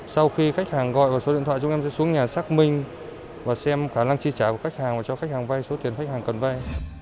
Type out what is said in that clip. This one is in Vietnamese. sau khi khách hàng gọi vào số điện thoại chúng em sẽ xuống nhà xác minh và xem khả năng chi trả của khách hàng và cho khách hàng vay số tiền khách hàng cần vay